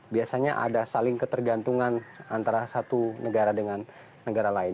biasanya ada saling ketergantungan antara satu negara dengan negara lain